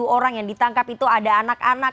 enam puluh tujuh orang yang ditangkap itu ada anak anak